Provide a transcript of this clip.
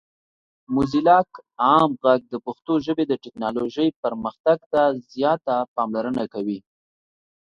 موزیلا عام غږ د پښتو ژبې د ټیکنالوجۍ پرمختګ ته زیاته پاملرنه کوي.